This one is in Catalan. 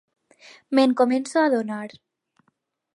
Me'n començo a adonar.